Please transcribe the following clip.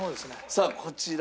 さあこちら。